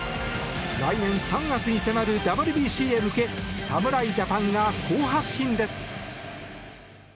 来年３月に迫るＷＢＣへ向け侍ジャパンが好発進です。